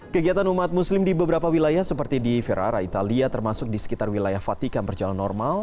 kegiatan umat muslim di beberapa wilayah seperti di verara italia termasuk di sekitar wilayah fatikan berjalan normal